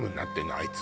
あいつ。